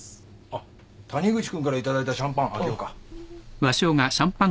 あっ谷口君から頂いたシャンパン開けようか。